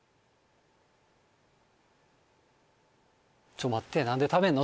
ちょっと待って何でためんの？